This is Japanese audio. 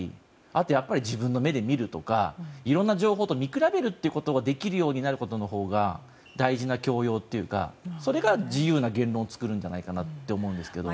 あとは自分の目で見るとかいろんな情報と見比べることができるようになることのほうが大事な教養というかそれが自由な言論を作るんじゃないかなと思うんですけど。